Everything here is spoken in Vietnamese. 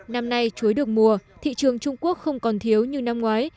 năm nay chuối được mùa thị trường trung quốc không còn thiếu như năm ngoái